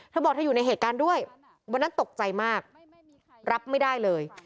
เธอบอกเธออยู่ในเหตุการณ์ด้วยวันนั้นตกใจมากรับไม่ได้เลย